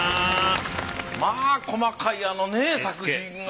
まあ細かいあのねぇ作品が。